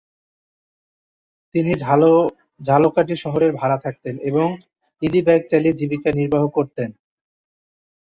তিনি ঝালকাঠি শহরে ভাড়া থাকতেন এবং ইজিবাইক চালিয়ে জীবিকা নির্বাহ করতেন।